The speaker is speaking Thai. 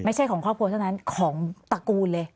ไม่ใช่ของครอบครัวเท่านั้นของตระกูลเลย